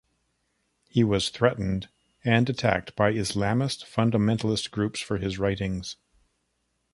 He was threatened and attacked by Islamist fundamentalist groups for his writings.